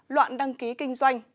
loạn đăng ký kinh doanh